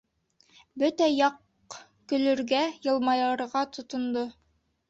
Бөтә яҡ көлөргә, йылмайырға тотондо...